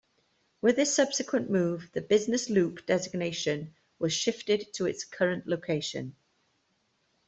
With this subsequent move, the business loop designation was shifted to its current location.